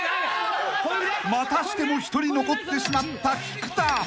［またしても一人残ってしまった菊田］